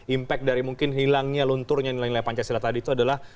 impact dari mungkin hilangnya lunturnya nilai nilai pancasila tadi itu adalah